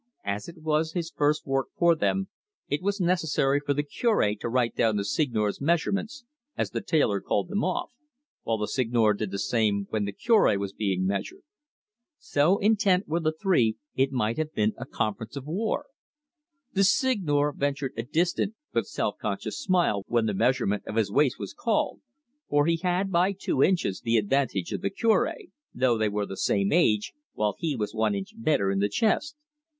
As it was his first work for them, it was necessary for the Cure to write down the Seigneur's measurements, as the tailor called them off, while the Seigneur did the same when the Cure was being measured. So intent were the three it might have been a conference of war. The Seigneur ventured a distant but self conscious smile when the measurement of his waist was called, for he had by two inches the advantage of the Cure, though they were the same age, while he was one inch better in the chest.